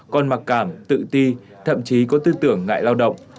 còn mặc cảm tự ti thậm chí có tư tưởng ngại lao động